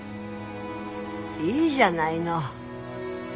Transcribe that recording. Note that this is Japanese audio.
いいじゃないの。